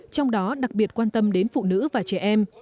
trong đó đặc biệt quan tâm đến phụ nữ và trẻ em